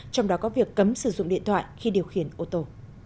trong đó có việc cấm sử dụng điện thoại khi điều khiển ô tô